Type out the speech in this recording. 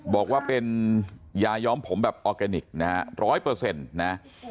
บอกว่าเป็นยาย้อมผมแบบออร์แกนิคนะฮะร้อยเปอร์เซ็นต์นะ